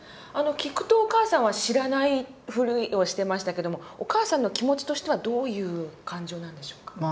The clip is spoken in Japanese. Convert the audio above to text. あの聞くとお母さんは知らないふりをしてましたけどもお母さんの気持ちとしてはどういう感情なんでしょうか。